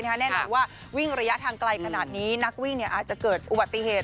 แน่นอนว่าวิ่งระยะทางไกลขนาดนี้นักวิ่งอาจจะเกิดอุบัติเหตุ